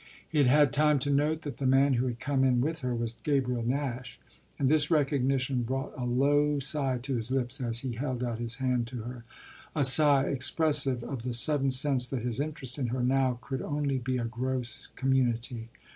He had had time to note that the man who had come in with her was Gabriel Nash, and this recognition brought a low sigh to his lips as he held out his hand to her a sigh expressive of the sudden sense that his interest in her now could only be a gross community.